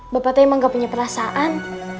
bapak tuh emang gak punya perasaan